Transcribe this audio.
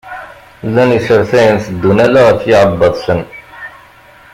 Llan isertayen iteddun ala ɣef yiɛebbaḍ-sen.